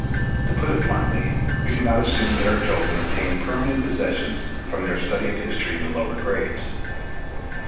To put it bluntly, we do not assume that our children obtain permanent possessions from their study of history in the lower grades.